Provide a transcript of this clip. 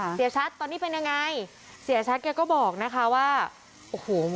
เสียชัดตอนนี้เป็นยังไงเสียชัดแกก็บอกนะคะว่าโอ้โห